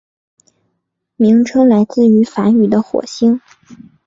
名称来自于梵语的火星。